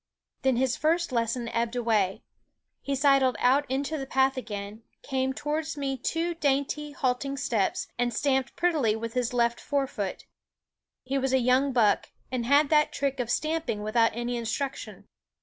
Then his first lesson ebbed away. He sidled out into the path again, came towards me two dainty, halt ing steps, and stamped prettily with his left fore foot. He was a young buck, and had that trick of stamping without any instruc tion.